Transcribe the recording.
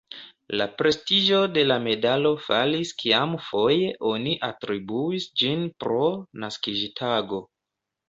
La prestiĝo de la medalo falis kiam foje oni atribuis ĝin pro naskiĝtago.